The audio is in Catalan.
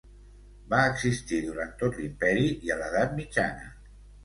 Va existir durant tot l'imperi i a l'edat mitjana.